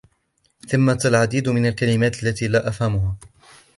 ثمّة العديد من الكلمات التي لا أفهمها.